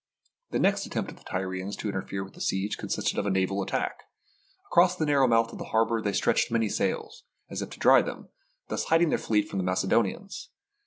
The next attempt of the Tyrians to interfere with the siege consisted of a naval attack. Across the narrow mouth of the harbour they stretched many sails, as if to dry them, thus hiding their fleet from the Macedonians.